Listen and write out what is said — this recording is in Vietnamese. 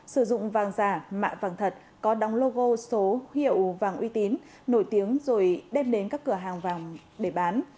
sử dụng vàng giả mạ vàng thật có đóng logo số hiệu vàng uy tín nổi tiếng rồi đem đến các cửa hàng vàng để bán